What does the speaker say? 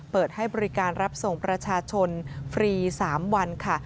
เปิดให้บริการรับส่งประชาชนฟรี๓วันค่ะ